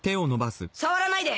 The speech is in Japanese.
触らないで！！